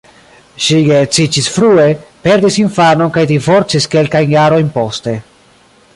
Ŝi geedziĝis frue, perdis infanon kaj divorcis kelkajn jarojn poste.